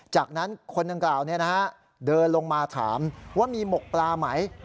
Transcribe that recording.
จากนั้นคนดังกล่าวเดินลงมาถามว่ามีหมกปลาไหม